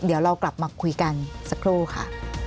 เดี๋ยวเรากลับมาคุยกันสักครู่ค่ะ